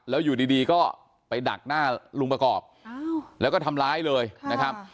แล้วอยู่ดีก็ไปดักหน้าลุงประกอบแล้วก็ทำร้ายเลยนะครับ